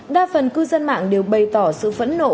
đa phần cư dân mạng đều bày tỏ sự phẫn nộ